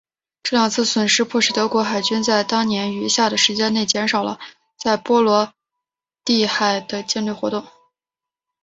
这两次损失迫使德国海军在当年余下的时间内减少了在波罗的海的舰队活动。